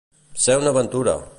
Ser una aventura.